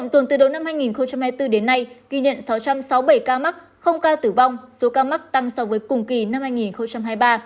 trong tuần qua cộng dồn từ đầu năm hai nghìn hai mươi bốn đến nay ghi nhận sáu trăm sáu mươi bảy ca mắc ca tử vong số ca mắc tăng so với cùng kỳ năm hai nghìn hai mươi ba